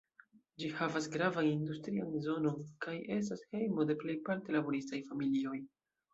Ĝi havas gravan industrian zonon kaj estas hejmo de plejparte laboristaj familioj.